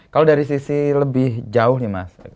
kalau dari sisi lebih jauh nih mas